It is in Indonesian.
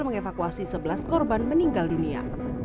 mengevakuasi sebelas korban meninggal dunia